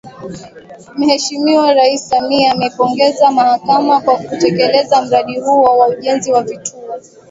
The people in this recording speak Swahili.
Mheshimiwa Rais Samia ameipongeza Mahakama kwa kutekeleza mradi huo wa ujenzi wa Vituo